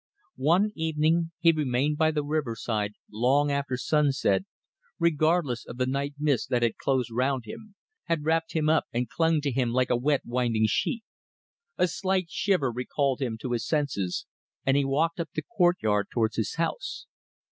One evening he remained by the riverside long after sunset, regardless of the night mist that had closed round him, had wrapped him up and clung to him like a wet winding sheet. A slight shiver recalled him to his senses, and he walked up the courtyard towards his house.